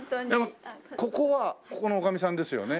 ここはここの女将さんですよね？